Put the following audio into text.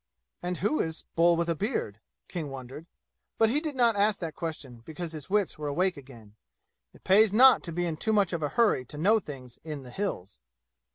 "And who is 'Bull with a beard'?" King wondered; but he did not ask that question because his wits were awake again. It pays not to be in too much of a hurry to know things in the "Hills."